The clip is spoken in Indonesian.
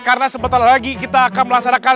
karena sebentar lagi kita akan melaksanakan